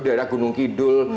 di daerah gunung kidul